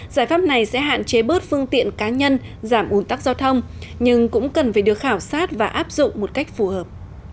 giải pháp này sẽ hạn chế bớt phương tiện cá nhân giảm ủn tắc giao thông nhưng cũng cần phải được khảo sát và áp dụng một cách phù hợp